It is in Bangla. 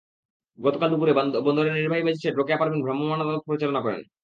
গতকাল দুপুরে বন্দরের নির্বাহী ম্যাজিস্ট্রেট রোকেয়া পারভীন ভ্রাম্যমাণ আদালত পরিচালনা করেন।